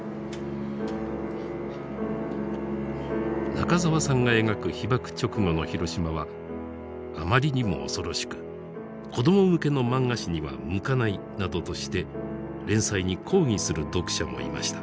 中沢さんが描く被爆直後の広島はあまりにも恐ろしく子ども向けの漫画誌には向かないなどとして連載に抗議する読者もいました。